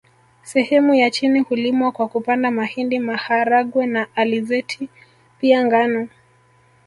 Sehemu ya chini hulimwa kwa kupanda mahindi maharagwe na alizeti pia ngano